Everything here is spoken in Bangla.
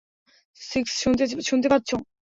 সিক্স, শুনতে পাচ্ছ?